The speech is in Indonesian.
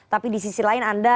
tapi di sisi lain anda